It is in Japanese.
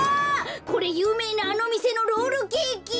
これゆうめいなあのみせのロールケーキ！